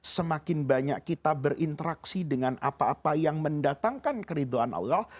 semakin banyak kita berinteraksi dengan apa apa yang mendatangkan keriduan allah